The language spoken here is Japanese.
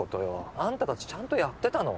あんた達ちゃんとやってたの？